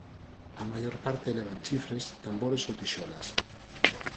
A maior parte levan chifres, tambores ou tixolas.